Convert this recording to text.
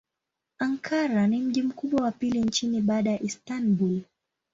Ankara ni mji mkubwa wa pili nchini baada ya Istanbul.